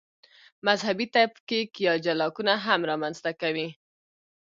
مذهبي تفکیک یا جلاکونه هم رامنځته کوي.